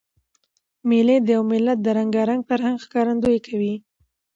مېلې د یو ملت د رنګارنګ فرهنګ ښکارندویي کوي.